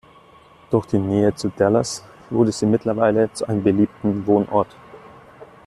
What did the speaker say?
Durch die Nähe zu Dallas wurde sie mittlerweile zu einem beliebten Wohnort.